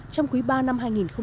trong quý ba năm hai nghìn hai mươi